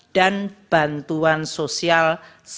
yang berdaya guna dan berguna